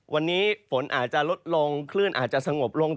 วันนี้ฝนอาจจะลดลงคลื่นอาจจะสงบลง